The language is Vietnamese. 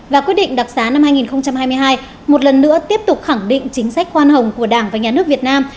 và quyết định đặc xá năm hai nghìn hai mươi hai một lần nữa tiếp tục khẳng định chính sách khoan hồng của đảng và nhà nước việt nam